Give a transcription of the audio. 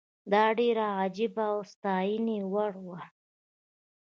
دا ډېره عجیبه او د ستاینې وړ وه.